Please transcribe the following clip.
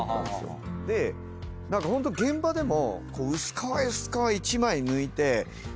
何かホント現場でも。